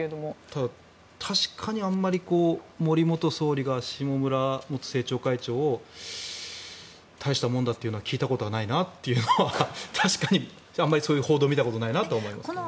ただ、確かにあまり森元総理が下村元政調会長を大したもんだというのは聞いたことないなというのは確かにあまりそういう報道は見たことないなと思いますね。